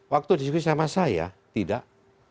waktu diskusi sama saya tidak